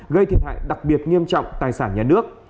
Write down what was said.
gây thiệt hại đặc biệt nghiêm trọng tài sản nhà nước